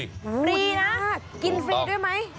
ฟรีนะกินฟรีด้วยไหม